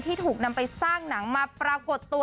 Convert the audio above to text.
ถูกนำไปสร้างหนังมาปรากฏตัว